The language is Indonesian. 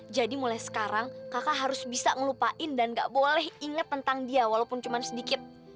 jadi mulai sekarang kakak harus bisa ngelupain dan nggak boleh inget tentang dia walaupun cuma sedikit